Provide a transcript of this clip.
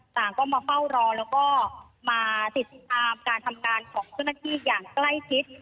ต่างก็มาเฝ้ารอแล้วก็มาติดตามการทำการของเจ้าหน้าที่อย่างใกล้ชิด